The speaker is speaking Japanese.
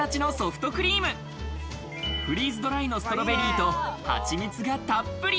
フリーズドライのストロベリーと蜂蜜がたっぷり！